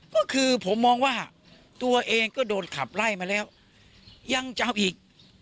ก็คือผมมองว่าตัวเองก็โดนขับไล่มาแล้วยังจะเอาอีก